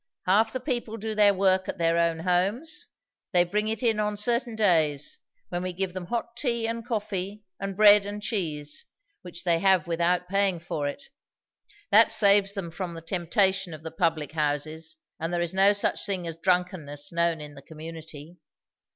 Half the people do their work at their own homes; they bring it in on certain days, when we give them hot tea and coffee and bread and cheese, which they have without paying for it. That saves them from the temptation of the public houses; and there is no such thing as drunkenness known in the community."